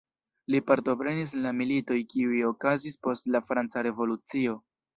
Li partoprenis en la militoj kiuj okazis post la Franca Revolucio.